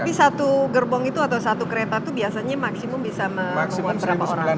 tapi satu gerbong itu atau satu kereta itu biasanya maksimum bisa membuat berapa orang